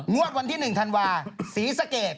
งวดวันที่๑ธันวาฮ์ศรีสะเกด๖๙